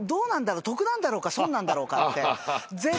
得なんだろうか損なんだろうかみたいな。